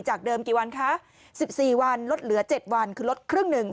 เดิมกี่วันคะ๑๔วันลดเหลือ๗วันคือลดครึ่งหนึ่ง